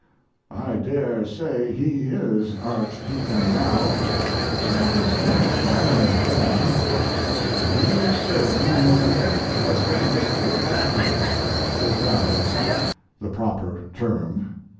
I dare say he is archdeacon now he was a canon then and he was serving in the Westminster Battery, if that is the proper term.